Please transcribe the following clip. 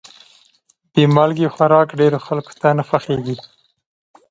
بې مالګې خوراک ډېرو خلکو ته نه خوښېږي.